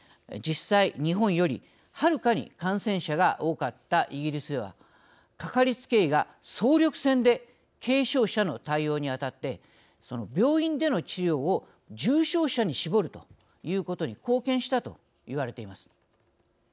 実際日本よりはるかに感染者が多かったイギリスではかかりつけ医が総力戦で軽症者の対応にあたって病院での治療を重症者に絞るということに貢献したといわれています。